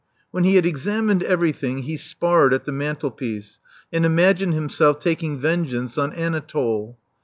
When he had examined every thing, he sparred at the mantelpiece, and imagined himself taking vengeance on Anatole.